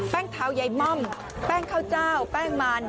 แป้งเถ้าใหญ่ม่อมแป้งข้าวเจ้าแป้งมัน